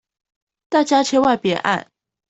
大家千萬別按